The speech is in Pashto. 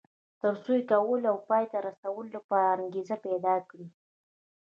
تر څو یې کولو او پای ته رسولو لپاره انګېزه پيدا کړي.